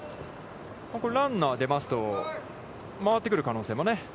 ランナーが出ますと、回ってくる可能性もね